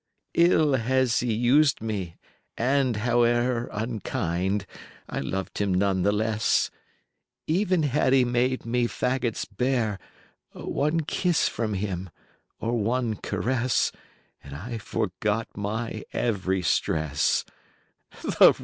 IV."Ill as he used me, and howe'er 25 Unkind, I loved him none the less: Even had he made me faggots bear, One kiss from him or one caress, And I forgot my every stress.